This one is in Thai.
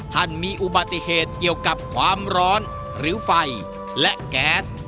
ท่านมีอุบัติเหตุเกี่ยวกับความร้อนหรือไฟและแก๊ส